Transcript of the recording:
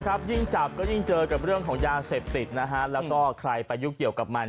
ยิ่งจับก็ยิ่งเจอกับเรื่องของยาเสพติดนะฮะแล้วก็ใครไปยุ่งเกี่ยวกับมัน